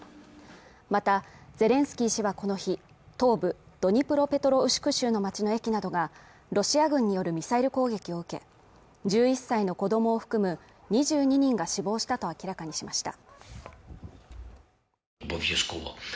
またゼレンスキー氏はこの日東部ドニプロペトロウシク州の町の駅などがロシア軍によるミサイル攻撃を受け１１歳の子どもを含む２２人が死亡したと明らかにしました